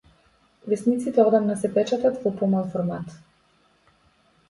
Весниците одамна се печатат во помал формат.